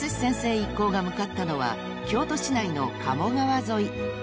一行が向かったのは京都市内の鴨川沿い］